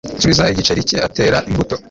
Subiza igiceri cye atera imbuto